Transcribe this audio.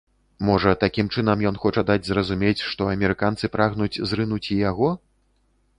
Можа, такім чынам ён хоча даць зразумець, што амерыканцы прагнуць зрынуць і яго?